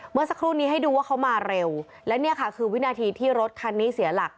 เมื่อสักครู่นี้ให้ดูว่าเขามาเร็วและเนี่ยค่ะคือวินาทีที่รถคันนี้เสียหลัก